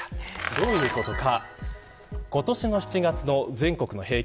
どういうことか。